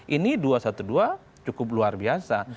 ini dua satu dua cukup luar biasa